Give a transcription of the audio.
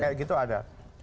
kayak gitu ada